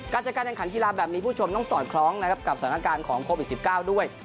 จัดการแข่งขันกีฬาแบบนี้ผู้ชมต้องสอดคล้องนะครับกับสถานการณ์ของโควิด๑๙ด้วย